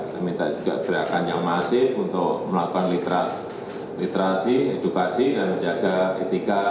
saya minta juga gerakan yang masif untuk melakukan literasi edukasi dan menjaga etika